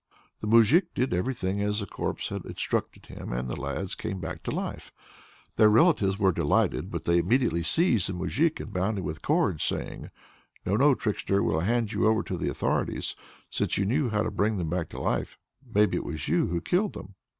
The moujik did everything as the corpse had instructed him, and the lads came back to life. Their relatives were delighted, but they immediately seized the moujik and bound him with cords, saying: "No, no, trickster! We'll hand you over to the authorities. Since you knew how to bring them back to life, maybe it was you who killed them!"